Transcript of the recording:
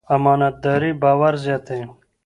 امانتداري باور زیاتوي.